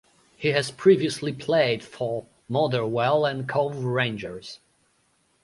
He has previously played for Motherwell and Cove Rangers.